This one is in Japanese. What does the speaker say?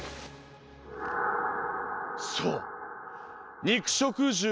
そう！